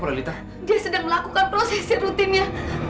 dia sedang melakukan prosesi rutinnya